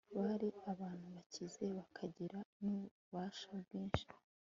bari abantu bakize, bakagira n'ububasha bwinshi